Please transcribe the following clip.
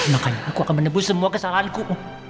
makanya aku akan menebus semua kesalahanku